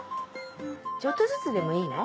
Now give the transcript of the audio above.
ちょっとずつでもいいの？